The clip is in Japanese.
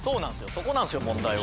そこなんすよ問題は。